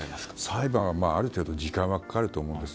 裁判はある程度時間がかかると思うんです。